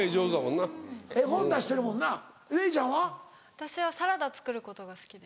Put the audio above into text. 私はサラダ作ることが好きです。